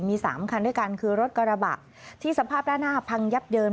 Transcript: มี๓คันด้วยกันคือรถกระบะที่สภาพด้านหน้าพังยับเยิน